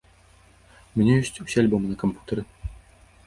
У мяне ёсць усе альбомы на кампутары.